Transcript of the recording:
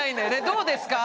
「どうですか？」